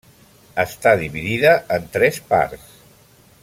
Està dividida en tres parts.